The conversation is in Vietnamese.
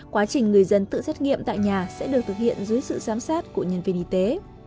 quá trình người dân tự xét nghiệm tại nhà sẽ được thực hiện dưới sự giám sát của nhân viên y tế